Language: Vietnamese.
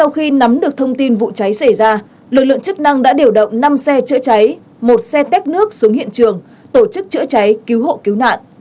khi nắm được thông tin vụ cháy xảy ra lực lượng chức năng đã điều động năm xe chữa cháy một xe tét nước xuống hiện trường tổ chức chữa cháy cứu hộ cứu nạn